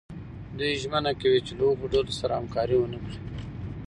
دوی ژمنه کوي چې له هغو ډلو سره همکاري ونه کړي.